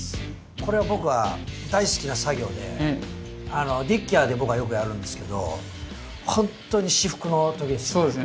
これは僕は大好きな作業でディッキアで僕はよくやるんですけどほんとに至福の時ですよね。